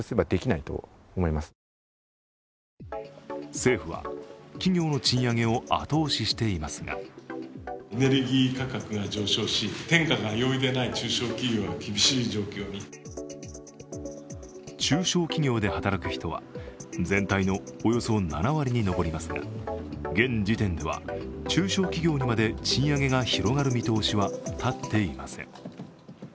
政府は企業の賃上げを後押ししていますが中小企業で働く人は、全体のおよそ７割に上りますが、現時点では中小企業にまで賃上げが広がる見通しは立っていません。